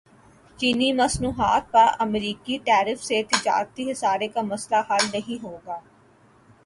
چینی مصنوعات پر امریکی ٹیرف سے تجارتی خسارے کا مسئلہ حل نہیں ہوگا